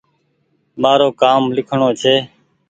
مآرو ڪآم ليکڻو ڇي